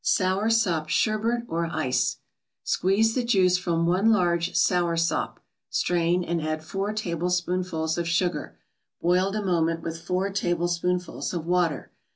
SOUR SOP SHERBET OR ICE Squeeze the juice from one large sour sop, strain, and add four tablespoonfuls of sugar, boiled a moment with four tablespoonfuls of water.